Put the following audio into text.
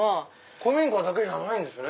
古民家だけじゃないんですね。